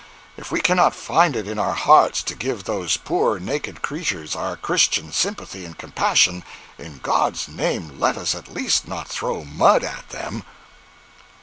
If we cannot find it in our hearts to give those poor naked creatures our Christian sympathy and compassion, in God's name let us at least not throw mud at them.